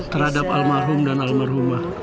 terhadap almarhum dan almarhumah